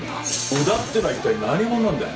宇田ってのは一体何者なんだよ？